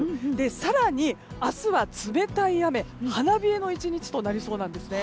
更に、明日は冷たい雨花冷えの１日となりそうなんですね。